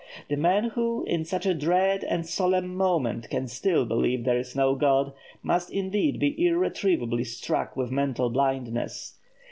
The man who, in such a dread and solemn moment can still believe there is no God, must indeed be irretrievably struck with mental blindness.